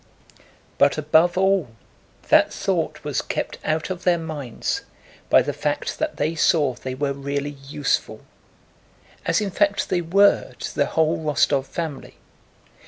But, above all, that thought was kept out of their minds by the fact that they saw they were really useful, as in fact they were to the whole Rostóv family.